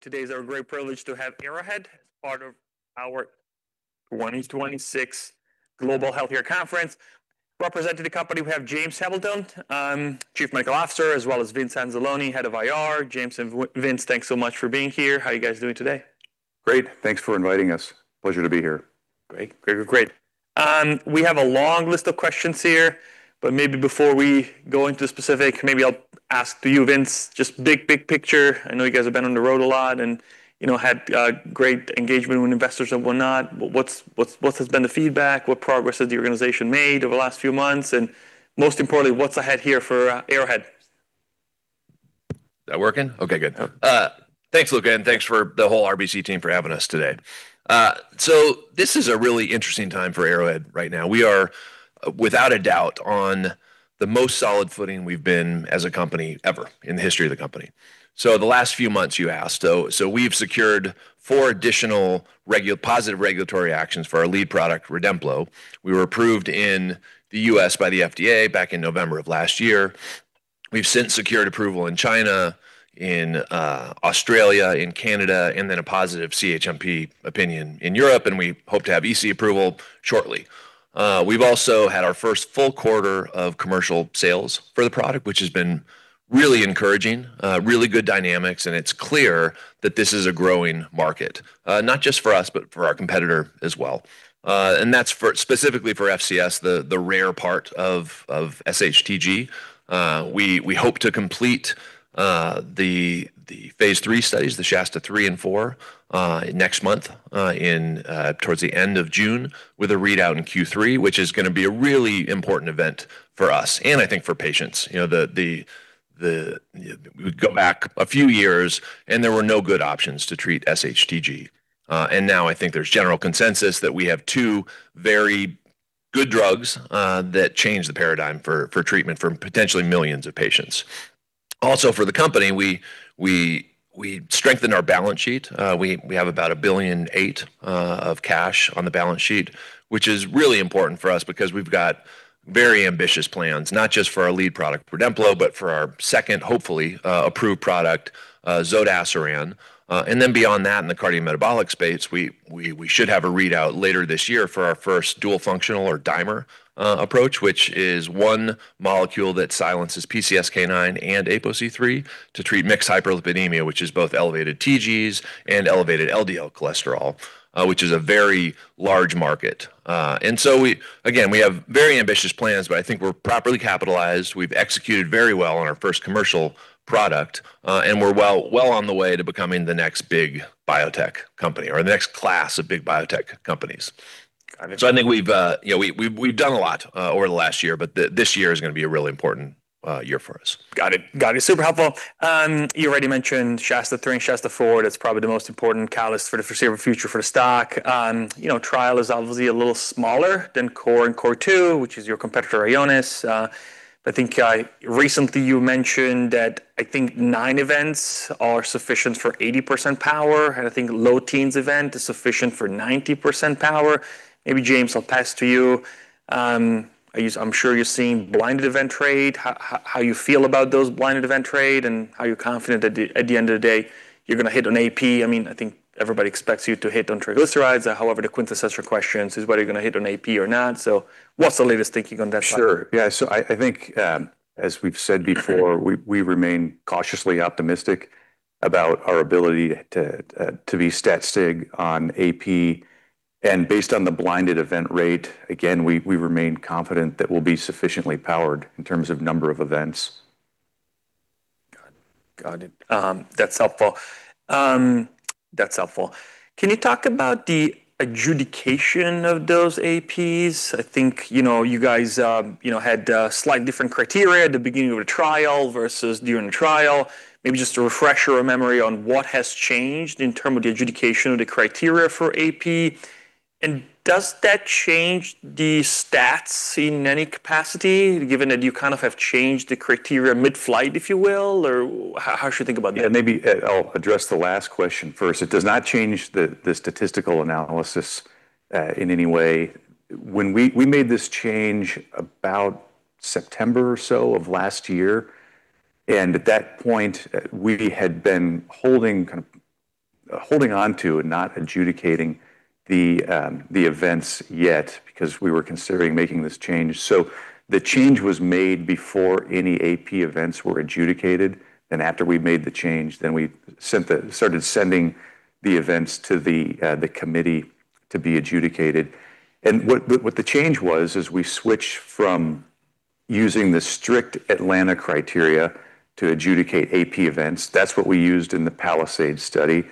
Today it's our great privilege to have Arrowhead as part of our 2026 Global Healthcare Conference. Representing the company, we have James Hamilton, Chief Medical Officer, as well as Vince Anzalone, head of IR. James and Vince, thanks so much for being here. How are you guys doing today? Great. Thanks for inviting us. Pleasure to be here. Great. We have a long list of questions here, but maybe before we go into specific, maybe I'll ask to you, Vince, just big picture. I know you guys have been on the road a lot and had great engagement with investors and whatnot, but what has been the feedback? What progress has the organization made over the last few months? Most importantly, what's ahead here for Arrowhead? That working? Okay, good. Thanks, Luca, and thanks for the whole RBC team for having us today. This is a really interesting time for Arrowhead right now. We are, without a doubt, on the most solid footing we've been as a company ever in the history of the company. The last few months, you asked. We've secured four additional positive regulatory actions for our lead product, REDEMPLO. We were approved in the U.S. by the FDA back in November of last year. We've since secured approval in China, in Australia, in Canada, and then a positive CHMP opinion in Europe, and we hope to have EC approval shortly. We've also had our first full quarter of commercial sales for the product, which has been really encouraging, really good dynamics. It's clear that this is a growing market, not just for us, but for our competitor as well. That's specifically for FCS, the rare part of SHTG. We hope to complete the phase III studies, the SHASTA-3 and SHASTA-4, next month, towards the end of June, with a readout in Q3, which is going to be a really important event for us and I think for patients. Go back a few years. There were no good options to treat SHTG. Now I think there's general consensus that we have two very good drugs that change the paradigm for treatment for potentially millions of patients. Also for the company, we strengthened our balance sheet. We have about $1.8 billion of cash on the balance sheet, which is really important for us because we've got very ambitious plans, not just for our lead product, REDEMPLO, but for our second, hopefully, approved product, zodasiran. Beyond that, in the cardiometabolic space, we should have a readout later this year for our first dual functional or dimer approach, which is one molecule that silences PCSK9 and APOC3 to treat mixed hyperlipidemia, which is both elevated TGs and elevated LDL cholesterol, which is a very large market. Again, we have very ambitious plans, but I think we're properly capitalized. We've executed very well on our first commercial product, and we're well on the way to becoming the next big biotech company or the next class of big biotech companies. Got it. I think we've done a lot over the last year, but this year is going to be a really important year for us. Got it. Super helpful. You already mentioned SHASTA-3 and SHASTA-4. That's probably the most important catalyst for the foreseeable future for the stock. Trial is obviously a little smaller than CORE and CORE2, which is your competitor, Ionis. I think recently you mentioned that I think nine events are sufficient for 80% power, and I think low teens event is sufficient for 90% power. Maybe James, I'll pass to you. I'm sure you're seeing blinded event rate, how you feel about those blinded event rate, and are you confident that at the end of the day you're going to hit on AP? I think everybody expects you to hit on triglycerides. However, the quintessential questions is whether you're going to hit on AP or not. What's the latest thinking on that front? Sure. Yeah. I think as we've said before, we remain cautiously optimistic about our ability to be stat sig on AP. Based on the blinded event rate, again, we remain confident that we'll be sufficiently powered in terms of number of events. Got it. That's helpful. Can you talk about the adjudication of those APs? I think you guys had a slightly different criteria at the beginning of the trial versus during the trial. Maybe just a refresher or memory on what has changed in terms of the adjudication of the criteria for AP, and does that change the stats in any capacity, given that you kind of have changed the criteria mid-flight, if you will? How should we think about that? Yeah, maybe I'll address the last question first. It does not change the statistical analysis in any way. We made this change about September or so of last year, and at that point, we had been holding on to and not adjudicating the events yet because we were considering making this change. The change was made before any AP events were adjudicated. After we made the change, then we started sending the events to the committee to be adjudicated. What the change was is we switched from using the strict Atlanta criteria to adjudicate AP events. That's what we used in the PALISADE study.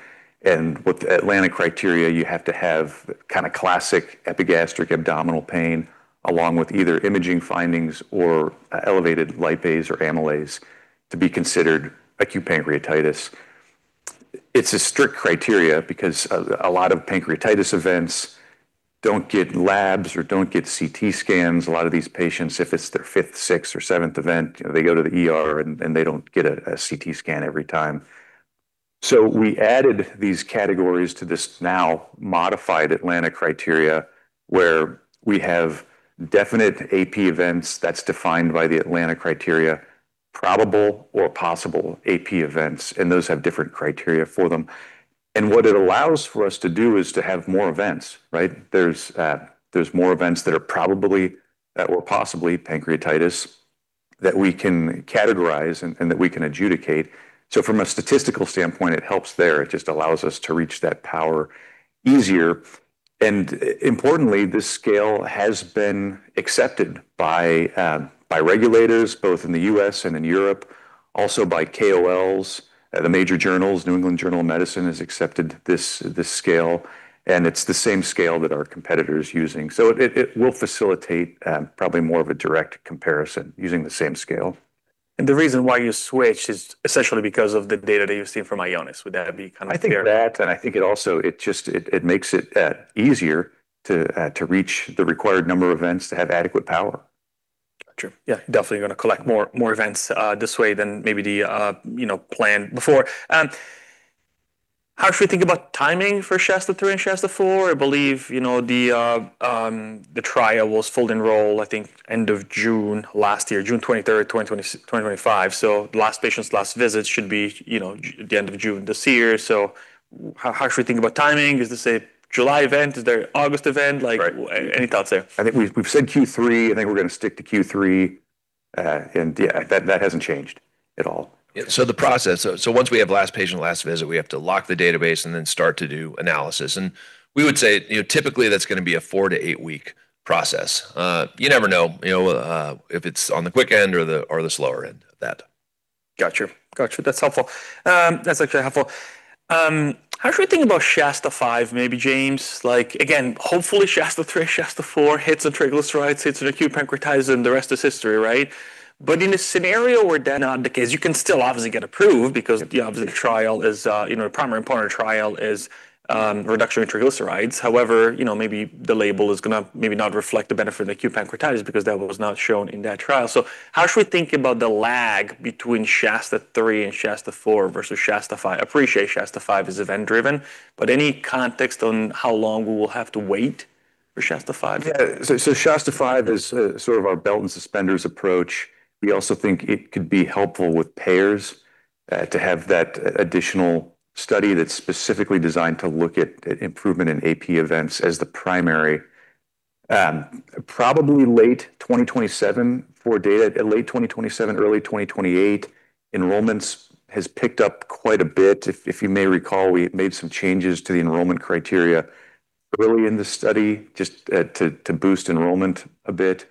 With the Atlanta criteria, you have to have classic epigastric abdominal pain, along with either imaging findings or elevated lipase or amylase to be considered acute pancreatitis. It's a strict criteria because a lot of pancreatitis events don't get labs or don't get CT scans. A lot of these patients, if it's their fifth, sixth, or seventh event, they go to the ER and they don't get a CT scan every time. We added these categories to this now modified Atlanta criteria, where we have definite AP events that's defined by the Atlanta criteria, probable or possible AP events, and those have different criteria for them. What it allows for us to do is to have more events, right? There's more events that are probably or possibly pancreatitis that we can categorize and that we can adjudicate. From a statistical standpoint, it helps there. It just allows us to reach that power easier. Importantly, this scale has been accepted by regulators, both in the U.S. and in Europe, also by KOLs, the major journals. New England Journal of Medicine has accepted this scale, and it's the same scale that our competitor is using. It will facilitate probably more of a direct comparison using the same scale. The reason why you switched is essentially because of the data that you've seen from Ionis. Would that be kind of fair? I think that, and I think it also makes it easier to reach the required number of events to have adequate power. Got you. Yeah, definitely going to collect more events this way than maybe the plan before. How should we think about timing for SHASTA-3 and SHASTA-4? I believe the trial was full enroll, I think end of June last year, June 23rd, 2025. The last patient's last visit should be at the end of June this year. How should we think about timing? Is this a July event? Is this an August event? Right. Any thoughts there? I think we've said Q3, I think we're going to stick to Q3. That hasn't changed at all. The process. Once we have last patient, last visit, we have to lock the database and then start to do analysis. We would say, typically that's going to be a four to eight-week process. You never know if it's on the quick end or the slower end of that. Got you. That's actually helpful. How should we think about SHASTA-5 maybe, James? Again, hopefully SHASTA-3, SHASTA-4 hits the triglycerides, hits an acute pancreatitis, and the rest is history, right? In a scenario where that is not the case, you can still obviously get approved because obviously the primary important trial is reduction in triglycerides. However, maybe the label is going to maybe not reflect the benefit of the acute pancreatitis because that was not shown in that trial. How should we think about the lag between SHASTA-3 and SHASTA-4 versus SHASTA-5? I appreciate SHASTA-5 is event-driven, but any context on how long we will have to wait for SHASTA-5? SHASTA-5 is sort of our belt and suspenders approach. We also think it could be helpful with payers to have that additional study that's specifically designed to look at improvement in AP events as the primary. Probably late 2027 for data, late 2027, early 2028. Enrollments has picked up quite a bit. If you may recall, we made some changes to the enrollment criteria early in the study just to boost enrollment a bit.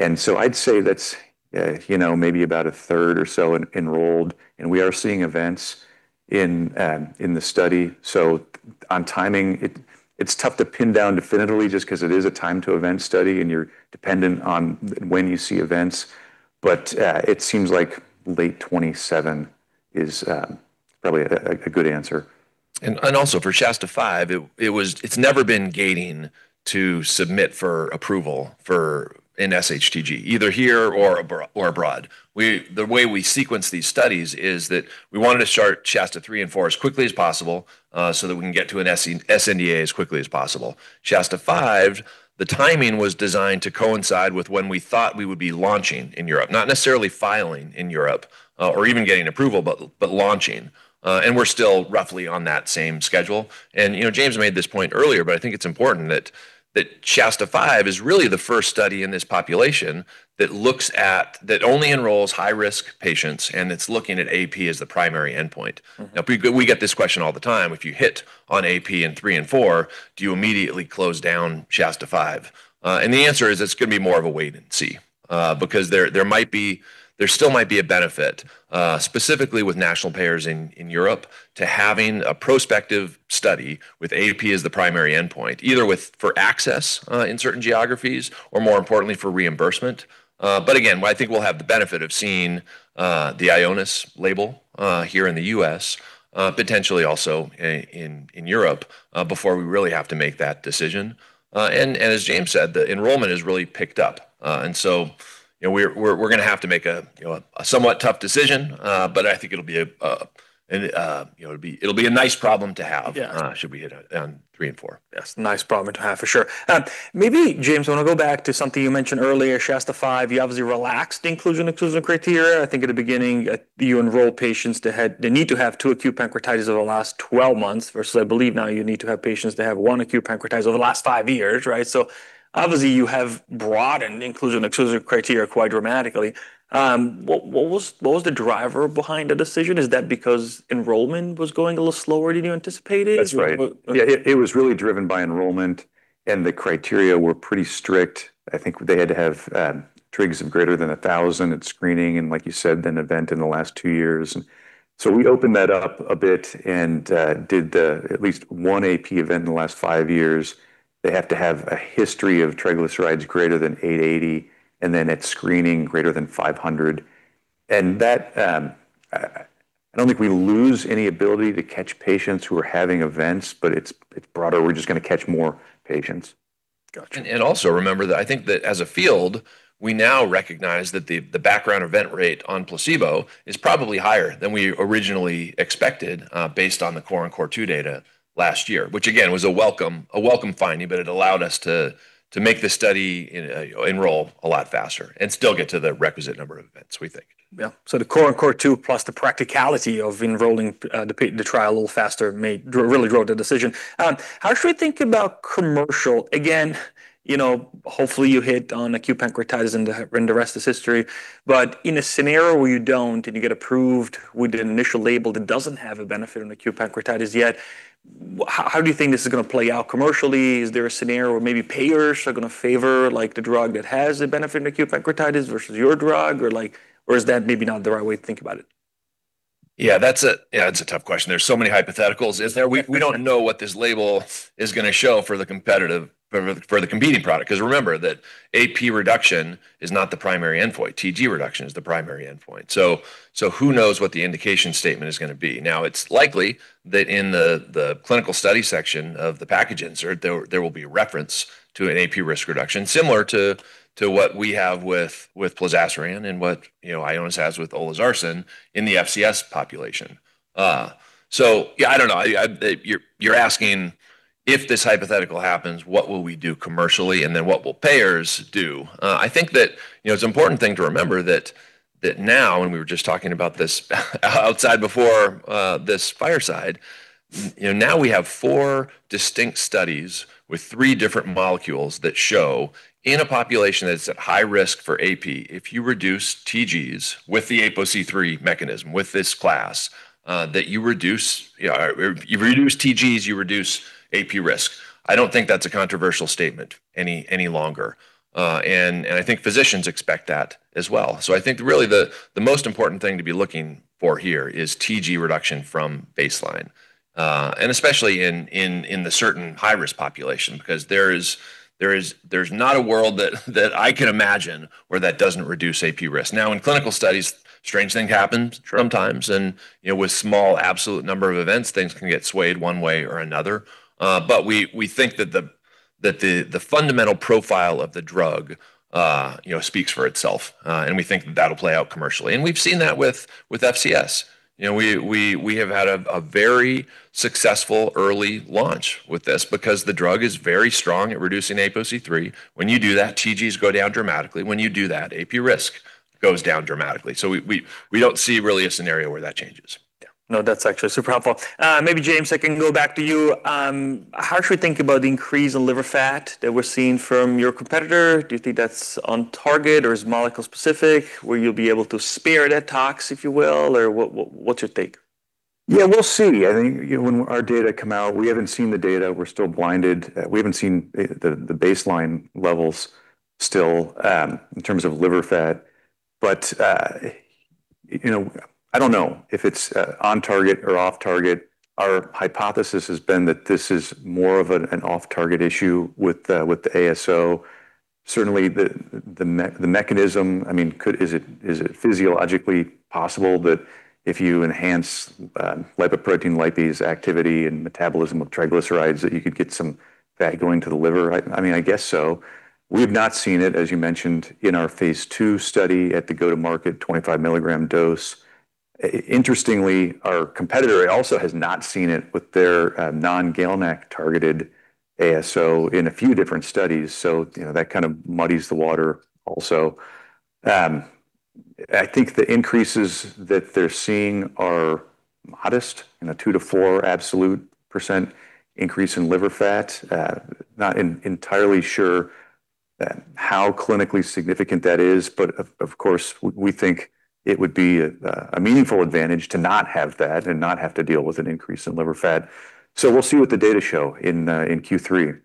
I'd say that's maybe about a third or so enrolled, and we are seeing events in the study. On timing, it's tough to pin down definitively just because it is a time-to-event study, and you're dependent on when you see events. It seems like late 2027 is probably a good answer. Also for SHASTA 5, it's never been gating to submit for approval for an SHTG, either here or abroad. The way we sequence these studies is that we wanted to start SHASTA-3 and SHASTA-4 as quickly as possible, so that we can get to an SNDA as quickly as possible. SHASTA-5, the timing was designed to coincide with when we thought we would be launching in Europe, not necessarily filing in Europe or even getting approval, but launching. We're still roughly on that same schedule. James made this point earlier, but I think it's important that SHASTA-5 is really the first study in this population that only enrolls high-risk patients, and it's looking at AP as the primary endpoint. We get this question all the time. If you hit on AP in phase III and phase IV, do you immediately close down SHASTA-5? The answer is it's going to be more of a wait and see. There still might be a benefit, specifically with national payers in Europe, to having a prospective study with AP as the primary endpoint, either for access in certain geographies or, more importantly, for reimbursement. Again, I think we'll have the benefit of seeing the Ionis label here in the U.S., potentially also in Europe, before we really have to make that decision. As James said, the enrollment has really picked up. We're going to have to make a somewhat tough decision, but I think it'll be a nice problem to have. Yeah Should we hit on three and four? Yes. Nice problem to have, for sure. Maybe James, I want to go back to something you mentioned earlier, SHASTA-5. You obviously relaxed the inclusion and exclusion criteria. I think at the beginning, you enroll patients. They need to have two acute pancreatitis over the last 12 months versus, I believe now you need to have patients that have one acute pancreatitis over the last five years, right? Obviously you have broadened the inclusion and exclusion criteria quite dramatically. What was the driver behind the decision? Is that because enrollment was going a little slower than you anticipated? That's right. Yeah, it was really driven by enrollment, and the criteria were pretty strict. I think they had to have TGs of greater than 1,000 at screening and, like you said, an event in the last two years. We opened that up a bit and did at least one AP event in the last one years. They have to have a history of triglycerides greater than 880, and then at screening greater than 500. That I don't think we lose any ability to catch patients who are having events, but it's broader. We're just going to catch more patients. Got you. Also remember that I think that as a field, we now recognize that the background event rate on placebo is probably higher than we originally expected based on the CORE and CORE2 data last year. Which, again, was a welcome finding, but it allowed us to make this study enroll a lot faster and still get to the requisite number of events we think. Yeah. The CORE and CORE2 plus the practicality of enrolling the trial a little faster may really grow the decision. How should we think about commercial? Again, hopefully you hit on acute pancreatitis and the rest is history. In a scenario where you don't and you get approved with an initial label that doesn't have a benefit in acute pancreatitis yet, how do you think this is going to play out commercially? Is there a scenario where maybe payers are going to favor the drug that has a benefit in acute pancreatitis versus your drug? Is that maybe not the right way to think about it? Yeah, it's a tough question. There's so many hypotheticals, isn't there? We don't know what this label is going to show for the competing product. Remember that AP reduction is not the primary endpoint. TG reduction is the primary endpoint. Who knows what the indication statement is going to be. It's likely that in the clinical study section of the package insert, there will be a reference to an AP risk reduction similar to what we have with plozasiran and what Ionis has with olezarsen in the FCS population. Yeah, I don't know. You're asking if this hypothetical happens, what will we do commercially and then what will payers do? I think that it's an important thing to remember that now, we were just talking about this outside before this fireside. Now we have four distinct studies with three different molecules that show in a population that's at high risk for AP, if you reduce TGs with the APOC3 mechanism, with this class, that you reduce TGs, you reduce AP risk. I don't think that's a controversial statement any longer. I think physicians expect that as well. I think really the most important thing to be looking for here is TG reduction from baseline. Especially in the certain high-risk population. Because there's not a world that I can imagine where that doesn't reduce AP risk. Now, in clinical studies, strange things happen sometimes. Sure. With small absolute number of events, things can get swayed one way or another. We think that the fundamental profile of the drug speaks for itself. We think that'll play out commercially. We've seen that with FCS. We have had a very successful early launch with this because the drug is very strong at reducing APOC3. When you do that, TGs go down dramatically. When you do that, AP risk goes down dramatically. We don't see really a scenario where that changes. Yeah. No, that's actually super helpful. Maybe James Hamilton, I can go back to you. How should we think about the increase in liver fat that we're seeing from your competitor? Do you think that's on target or is molecule specific where you'll be able to spare that tox, if you will? Or what's your take? Yeah, we'll see. I think when our data come out, we haven't seen the data. We're still blinded. We haven't seen the baseline levels still, in terms of liver fat. I don't know if it's on target or off target. Our hypothesis has been that this is more of an off-target issue with the ASO. Certainly, the mechanism, is it physiologically possible that if you enhance lipoprotein lipase activity and metabolism of triglycerides, that you could get some fat going to the liver? I guess so. We've not seen it, as you mentioned, in our phase II study at the go-to-market 25 mg dose. Interestingly, our competitor also has not seen it with their non-GalNAc targeted ASO in a few different studies. That kind of muddies the water also. I think the increases that they're seeing are modest in a 2%-4% absolute increase in liver fat. Not entirely sure how clinically significant that is, but of course, we think it would be a meaningful advantage to not have that and not have to deal with an increase in liver fat. We'll see what the data show in Q3.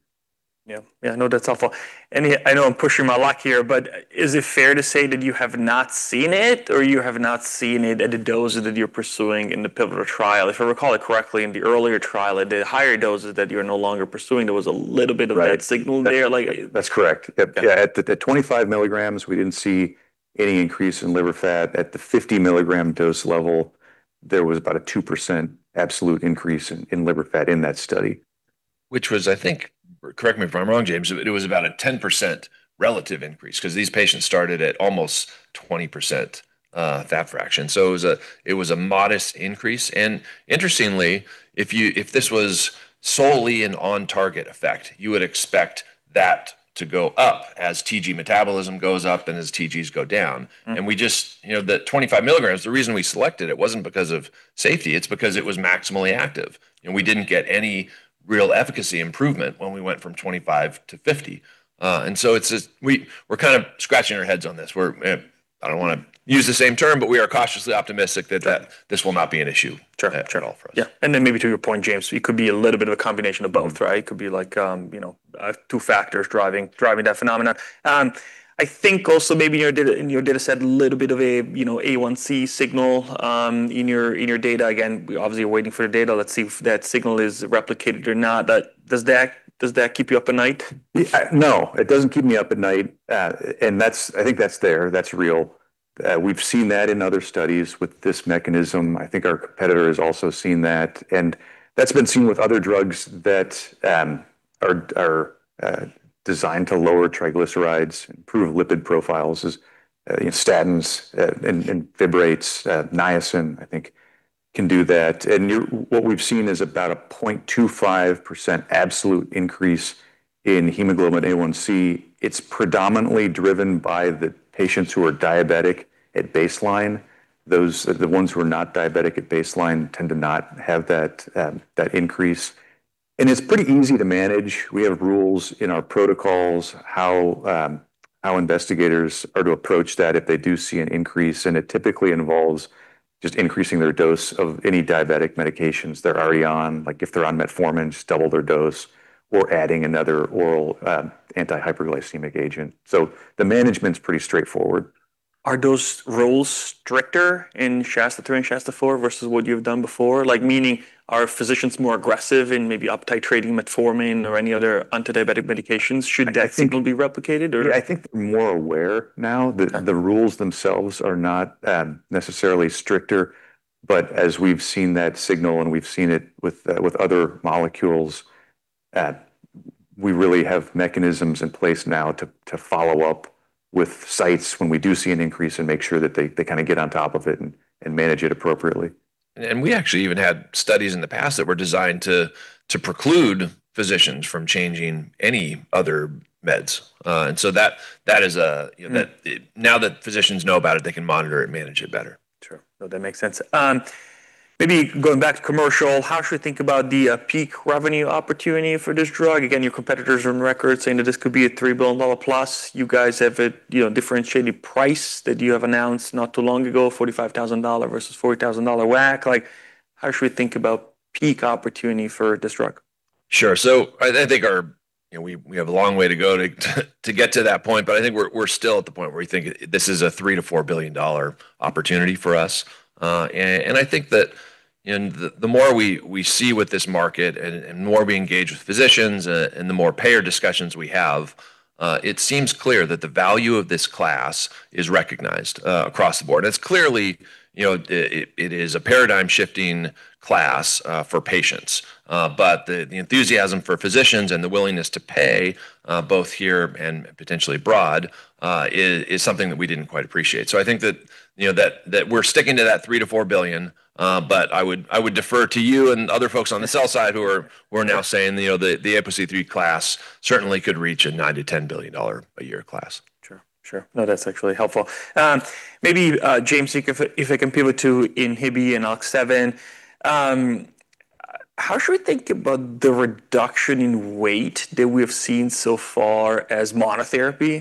Yeah. No, that's helpful. I know I'm pushing my luck here, but is it fair to say that you have not seen it, or you have not seen it at the doses that you're pursuing in the pivotal trial? If I recall it correctly, in the earlier trial at the higher doses that you're no longer pursuing, there was a little bit of that signal there. That's correct. Yeah. Yeah. At the 25 mg, we didn't see any increase in liver fat. At the 50 mg dose level, there was about a 2% absolute increase in liver fat in that study. Which was, I think, correct me if I'm wrong, James, but it was about a 10% relative increase because these patients started at almost 20% fat fraction. It was a modest increase. Interestingly, if this was solely an on-target effect, you would expect that to go up as TG metabolism goes up and as TGs go down. The 25 mg, the reason we selected it wasn't because of safety, it's because it was maximally active, and we didn't get any real efficacy improvement when we went from 25-50. We're kind of scratching our heads on this. I don't want to use the same term, but we are cautiously optimistic that this will not be an issue at all for us. Yeah. Then maybe to your point, James, it could be a little bit of a combination of both, right? It could be two factors driving that phenomenon. I think also maybe in your data set, a little bit of A1c signal in your data. Again, we obviously are waiting for the data. Let's see if that signal is replicated or not. Does that keep you up at night? No. It doesn't keep me up at night. I think that's there. That's real. We've seen that in other studies with this mechanism. I think our competitor has also seen that, and that's been seen with other drugs that are designed to lower triglycerides, improve lipid profiles as statins and fibrates. niacin, I think, can do that. What we've seen is about a 0.25% absolute increase in hemoglobin A1c. It's predominantly driven by the patients who are diabetic at baseline. The ones who are not diabetic at baseline tend to not have that increase. It's pretty easy to manage. We have rules in our protocols, how investigators are to approach that if they do see an increase, and it typically involves just increasing their dose of any diabetic medications they're already on. If they're on metformin, just double their dose or adding another oral anti-hyperglycemic agent. The management's pretty straightforward. Are those rules stricter in SHASTA-3 and SHASTA-4 versus what you've done before? Meaning, are physicians more aggressive in maybe uptitrating metformin or any other antidiabetic medications should that signal be replicated or? Yeah, I think they're more aware now that the rules themselves are not necessarily stricter. As we've seen that signal and we've seen it with other molecules, we really have mechanisms in place now to follow up with sites when we do see an increase and make sure that they get on top of it and manage it appropriately. We actually even had studies in the past that were designed to preclude physicians from changing any other meds. Now that physicians know about it, they can monitor and manage it better. True. No, that makes sense. Maybe going back to commercial, how should we think about the peak revenue opportunity for this drug? Again, your competitors are on record saying that this could be a $3 billion plus. You guys have a differentiated price that you have announced not too long ago, $45,000 versus $40,000 WAC. How should we think about peak opportunity for this drug? Sure. I think we have a long way to go to get to that point, but I think we're still at the point where we think this is a $3 billion-$4 billion opportunity for us. I think that the more we see with this market and the more we engage with physicians, and the more payer discussions we have, it seems clear that the value of this class is recognized across the board. It is a paradigm-shifting class for patients. The enthusiasm for physicians and the willingness to pay, both here and potentially abroad is something that we didn't quite appreciate. I think that we're sticking to that $3 billion-$4 billion, but I would defer to you and other folks on the sell side who are now saying the APOC3 class certainly could reach a $9 billion-$10 billion a year class. Sure. No, that's actually helpful. Maybe, James, if I compare the two, INHBE and ALK7, how should we think about the reduction in weight that we have seen so far as monotherapy?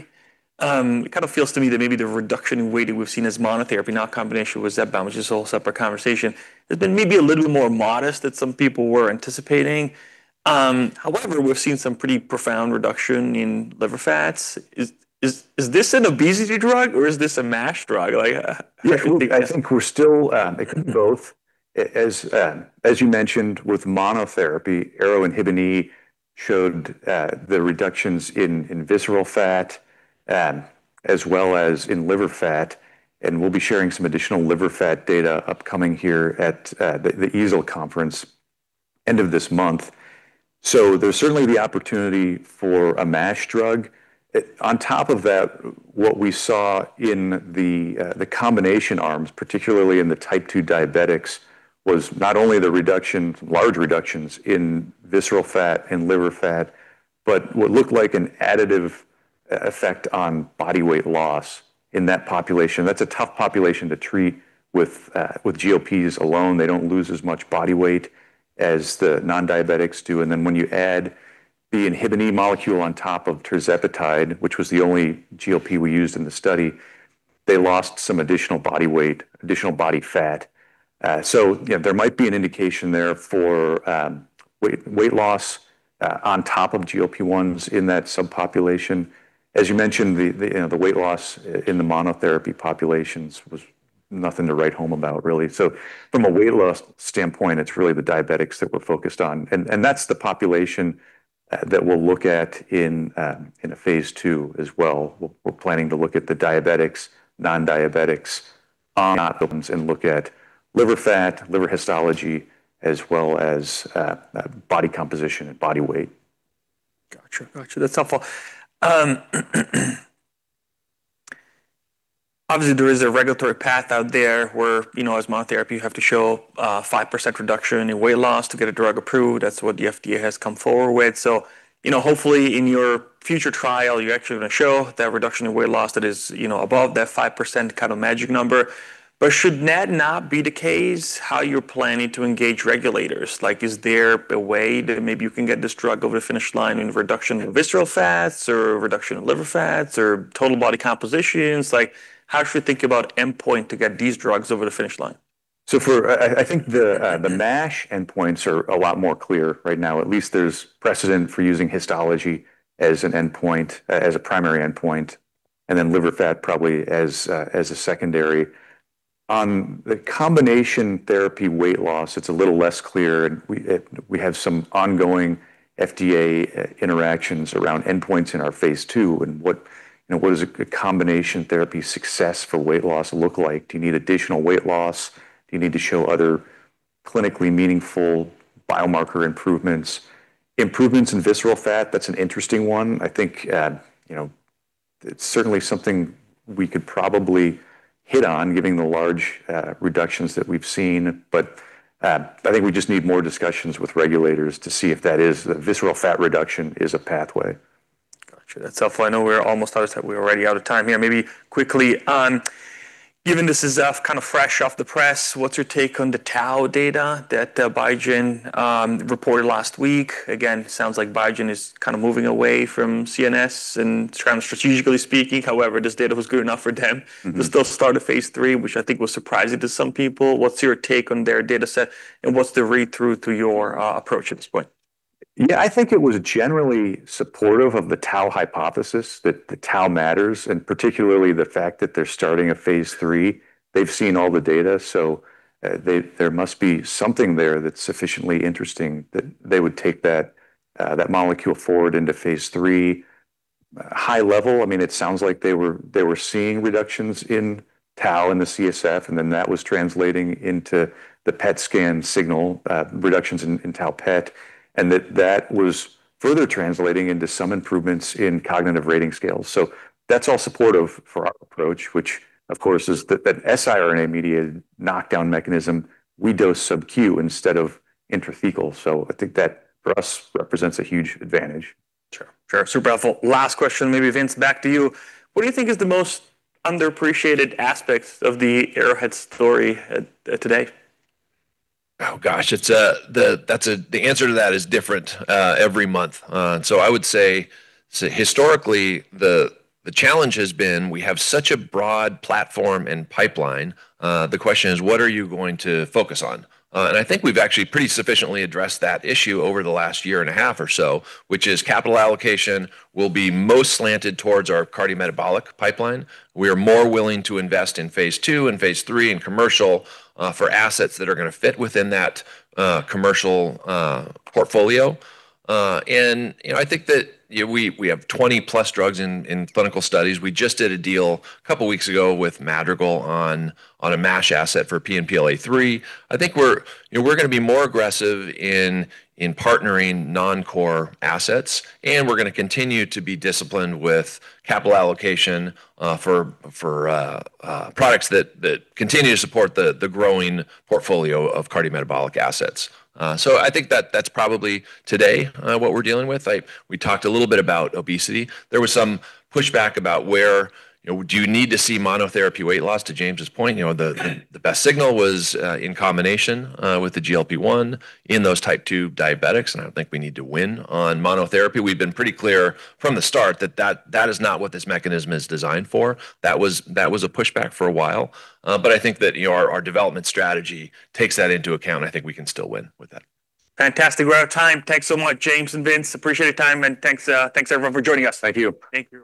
It kind of feels to me that maybe the reduction in weight that we've seen as monotherapy, not combination with Zepbound, which is a whole separate conversation, has been maybe a little more modest than some people were anticipating. However, we've seen some pretty profound reduction in liver fats. Is this an obesity drug or is this a MASH drug? How should we think? I think we're still both. As you mentioned with monotherapy, ARO-INHBE showed the reductions in visceral fat, as well as in liver fat, and we'll be sharing some additional liver fat data upcoming here at the EASL conference end of this month. There's certainly the opportunity for a MASH drug. On top of that, what we saw in the combination arms, particularly in the type two diabetics, was not only the large reductions in visceral fat and liver fat, but what looked like an additive effect on body weight loss in that population. That's a tough population to treat with GLPs alone. They don't lose as much body weight as the non-diabetics do. When you add the INHBE molecule on top of tirzepatide, which was the only GLP we used in the study, they lost some additional body weight, additional body fat. There might be an indication there for weight loss on top of GLP-1s in that subpopulation. As you mentioned, the weight loss in the monotherapy populations was nothing to write home about, really. From a weight loss standpoint, it's really the diabetics that we're focused on, and that's the population that we'll look at in a phase II as well. We're planning to look at the diabetics, non-diabetics on. Got you. That's helpful. Obviously, there is a regulatory path out there where, as monotherapy, you have to show a 5% reduction in weight loss to get a drug approved. That's what the FDA has come forward with. Hopefully in your future trial, you're actually going to show that reduction in weight loss that is above that 5% magic number. Should that not be the case, how you're planning to engage regulators? Is there a way that maybe you can get this drug over the finish line in reduction of visceral fat or reduction of liver fat or total body compositions? How should we think about endpoint to get these drugs over the finish line? I think the MASH endpoints are a lot more clear right now. At least there's precedent for using histology as a primary endpoint, and then liver fat probably as a secondary. On the combination therapy weight loss, it's a little less clear, and we have some ongoing FDA interactions around endpoints in our phase II, and what does a combination therapy success for weight loss look like? Do you need additional weight loss? Do you need to show other clinically meaningful biomarker improvements? Improvements in visceral fat, that's an interesting one. I think it's certainly something we could probably hit on giving the large reductions that we've seen. I think we just need more discussions with regulators to see if visceral fat reduction is a pathway. Got you. That's helpful. I know we're already out of time here. Maybe quickly on, given this is kind of fresh off the press, what's your take on the tau data that Biogen reported last week? Sounds like Biogen is kind of moving away from CNS and strategically speaking, however, this data was good enough for them. To still start a phase III, which I think was surprising to some people. What's your take on their data set, and what's the read-through to your approach at this point? I think it was generally supportive of the tau hypothesis that the tau matters, and particularly the fact that they're starting a phase III. They've seen all the data, so there must be something there that's sufficiently interesting that they would take that molecule forward into phase III. High level, it sounds like they were seeing reductions in tau in the CSF, and then that was translating into the PET scan signal, reductions in tau PET, and that was further translating into some improvements in cognitive rating scales. That's all supportive for our approach, which of course is that siRNA-mediated knockdown mechanism, we dose sub Q instead of intrathecal. I think that for us represents a huge advantage. Sure. Super helpful. Last question, maybe Vince, back to you. What do you think is the most underappreciated aspect of the Arrowhead story today? Oh, gosh. The answer to that is different every month. I would say historically the challenge has been we have such a broad platform and pipeline. The question is, what are you going to focus on? I think we've actually pretty sufficiently addressed that issue over the last year and a half or so, which is capital allocation will be most slanted towards our cardiometabolic pipeline. We are more willing to invest in phase II and phase III in commercial for assets that are going to fit within that commercial portfolio. I think that we have 20+ drugs in clinical studies. We just did a deal a couple of weeks ago with Madrigal on a MASH asset for PNPLA3. I think we're going to be more aggressive in partnering non-core assets, and we're going to continue to be disciplined with capital allocation for products that continue to support the growing portfolio of cardiometabolic assets. I think that's probably today what we're dealing with. We talked a little bit about obesity. There was some pushback about where do you need to see monotherapy weight loss, to James Hamilton's point. The best signal was in combination with the GLP-1 in those type two diabetics, and I think we need to win on monotherapy. We've been pretty clear from the start that is not what this mechanism is designed for. That was a pushback for a while. I think that our development strategy takes that into account, and I think we can still win with that. Fantastic. We are out of time. Thanks so much, James and Vince. Appreciate your time, and thanks everyone for joining us. Thank you. Thank you.